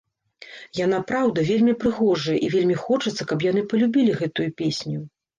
Яна, праўда, вельмі прыгожая, і вельмі хочацца, каб яны палюбілі гэтую песню.